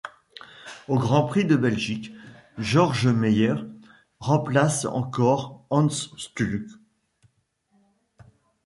Au Grand Prix de Belgique, Georg Meier remplace encore Hans Stuck.